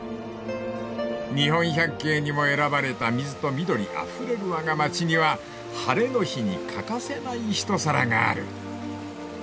［日本百景にも選ばれた水と緑あふれるわが町には晴れの日に欠かせない一皿がある］